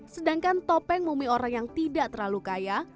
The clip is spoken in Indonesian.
sedangkan topeng mumi orang yang tidak terlalu kaya